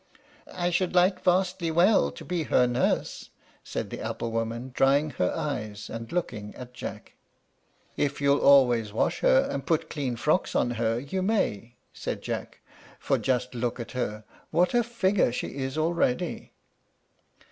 "I should like vastly well to be her nurse," said the apple woman, drying her eyes, and looking at Jack. "If you'll always wash her, and put clean frocks on her, you may," said Jack; "for just look at her, what a figure she is already!"